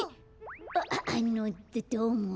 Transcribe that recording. ああのどどうも。